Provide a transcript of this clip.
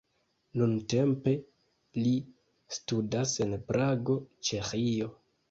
Nuntempe li studas en Prago, Ĉeĥio.